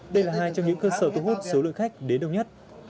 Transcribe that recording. đây là hai trong những cơ sở thu hút số lượng khách đến đông nhất